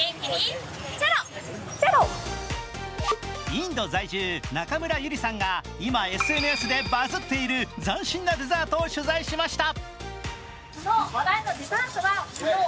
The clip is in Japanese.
インド在住中村ゆりさんが今ＳＮＳでバズっている斬新なデザートを取材しました。